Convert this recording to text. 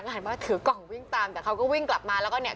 นี่ผมดูผมรุ้นมากเขาก็จะขโมอยู่ที่ไหน